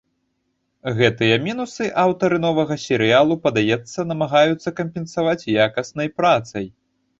Гэтыя мінусы аўтары новага серыялу, падаецца, намагаюцца кампенсаваць якаснай працай.